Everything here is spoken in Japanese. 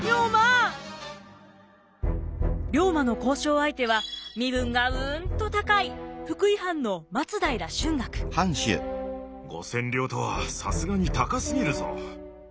龍馬の交渉相手は身分がうんと高い５，０００両とはさすがに高すぎるぞ。